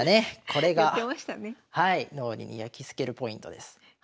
これがはい脳裏にやきつけるポイントです。